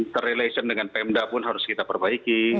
terrelation dengan pemda pun harus kita perbaiki